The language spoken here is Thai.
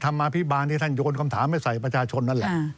ธรรมพิบารที่ท่านโยนคำถามไม่ใส่ประชาชนนั่นล่ะ